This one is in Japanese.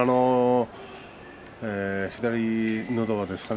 左の、のど輪ですかね